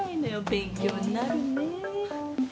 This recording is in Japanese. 勉強になるね。